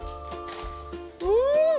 うん！